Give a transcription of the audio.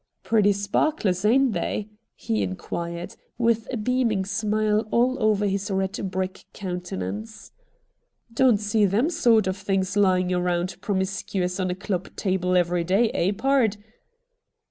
' Pretty sparklers, ain't they ?' he inquired, with a beaming smile all over his red brick countenance. ' Don't see them sort of things lying around promiscuous on a club table every day, eh, pard